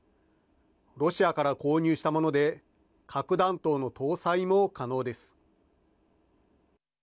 ロシアから購入したもので核弾頭の搭載も可能です。